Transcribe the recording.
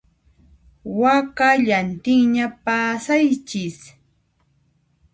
Wakallantinña pasaychis